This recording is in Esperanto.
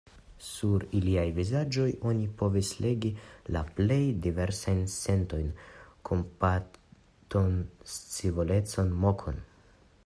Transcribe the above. Sur iliaj vizaĝoj oni povis legi la plej diversajn sentojn: kompaton, scivolecon, mokon.